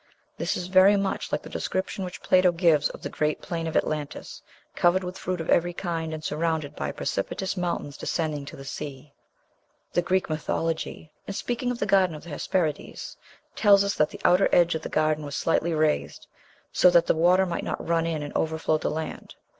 This is very much like the description which Plato gives of the great plain of Atlantis, covered with fruit of every kind, and surrounded by precipitous mountains descending to the sea. The Greek mythology, in speaking of the Garden of the Hesperides, tells us that "the outer edge of the garden was slightly raised, so that the water might not run in and overflow the land."